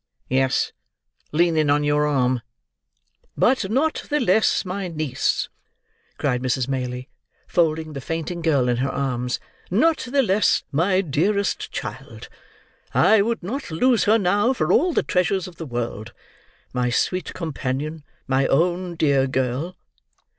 "Yes. Leaning on your arm." "But not the less my niece," cried Mrs. Maylie, folding the fainting girl in her arms; "not the less my dearest child. I would not lose her now, for all the treasures of the world. My sweet companion, my own dear girl!"